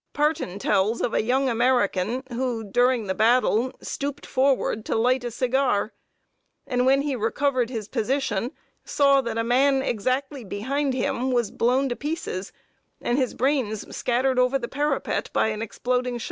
Parton tells of a young American who, during the battle, stooped forward to light a cigar; and when he recovered his position saw that a man exactly behind him was blown to pieces, and his brains scattered over the parapet, by an exploding shell.